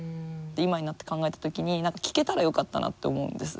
今になって考えた時に何か聞けたらよかったなって思うんです。